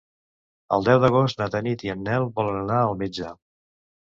El deu d'agost na Tanit i en Nel volen anar al metge.